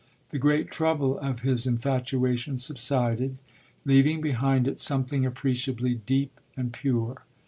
The great trouble of his infatuation subsided, leaving behind it something appreciably deep and pure.